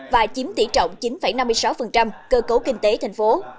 và chiếm tỷ trọng chín năm mươi sáu cơ cấu kinh tế thành phố